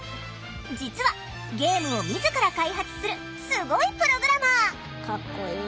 実はゲームを自ら開発するすごいプログラマー。